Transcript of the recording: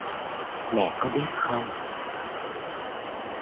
Mẹ có biết không?